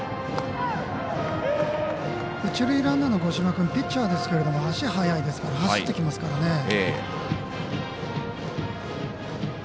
一塁ランナーの五島君ピッチャーですが足が速いですから走ってきますからね。